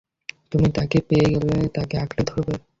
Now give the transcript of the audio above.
তুমি তাকে পেয়ে গেলে তাঁকে আঁকড়ে ধরবে।